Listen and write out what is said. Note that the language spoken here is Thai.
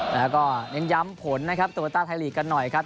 แล้วก็เน้นย้ำผลนะครับโตโยต้าไทยลีกกันหน่อยครับ